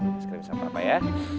makan es krim sama papa ya